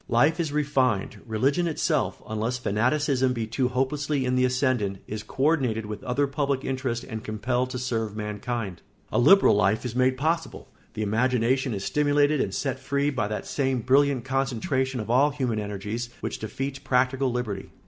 Life is refined; religion itself, unless fanaticism be too hopelessly in the ascendant, is co ordinated with other public interests and compelled to serve mankind; a liberal life is made possible; the imagination is stimulated and set free by that same brilliant concentration of all human energies which defeats practical liberty.